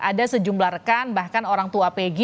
ada sejumlah rekan bahkan orang tua pegi